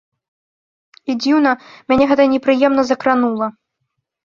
І дзіўна, мяне гэта непрыемна закранула.